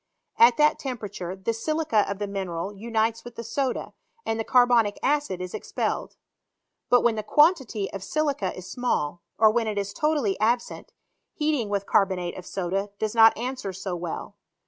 At that temperature the silica of the mineral unites with the soda, and the carbonic acid is ex pelled. But when the quantity of silica is small, or when it is totally absent, heating with carbonate of soda does not answer so well.